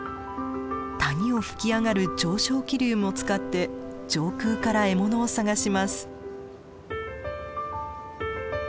谷を吹き上がる上昇気流も使って上空から獲物を探します。